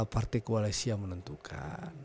partai kuala isya menentukan